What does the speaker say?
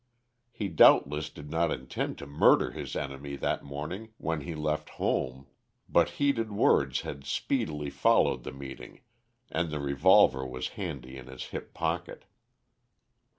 He doubtless did not intend to murder his enemy that morning when he left home, but heated words had speedily followed the meeting, and the revolver was handy in his hip pocket.